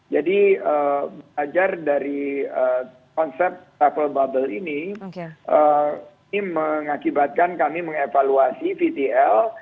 jadi belajar dari konsep travel bubble ini ini mengakibatkan kami mengevaluasi vtl